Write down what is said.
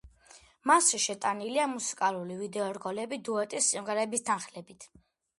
მასში შეტანილია მუსიკალური ვიდეორგოლები დუეტის სიმღერების თანხლებით.